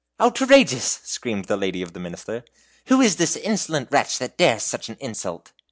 "Outrageous!" screamed the lady of the Minister; "who is the insolent wretch that dares such an insult?"